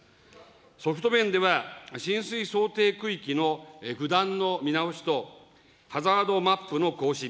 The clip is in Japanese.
ソフト面では、浸水想定区域の不断の見直しと、ハザードマップの更新。